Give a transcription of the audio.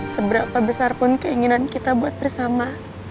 seberapa besar pun keinginan kita buat bersama